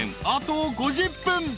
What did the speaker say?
あと５０分］